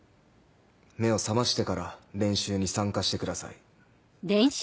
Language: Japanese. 目を覚ましてから練習に参加してください。